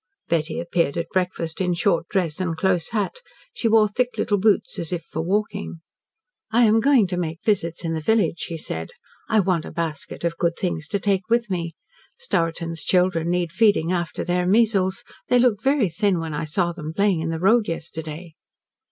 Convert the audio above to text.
Betty appeared at breakfast in short dress and close hat. She wore thick little boots, as if for walking. "I am going to make visits in the village," she said. "I want a basket of good things to take with me. Stourton's children need feeding after their measles. They looked very thin when I saw them playing in the road yesterday."